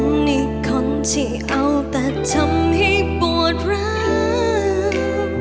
ในคนที่เอาแต่ทำให้ปวดรัก